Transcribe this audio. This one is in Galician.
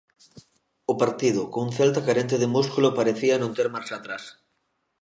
O partido, cun Celta carente de músculo, parecía non ter marcha atrás.